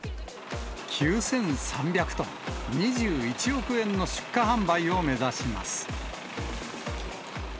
９３００トン、２１億円の出荷販売を目指します。